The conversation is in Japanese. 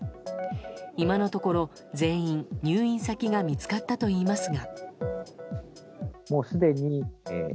今のところ全員、入院先が見つかったといいますが。